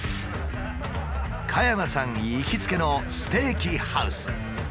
加山さん行きつけのステーキハウス。